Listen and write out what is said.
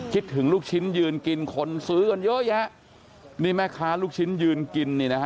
คิดถึงลูกชิ้นยืนกินคนซื้อกันเยอะแยะนี่แม่ค้าลูกชิ้นยืนกินนี่นะฮะ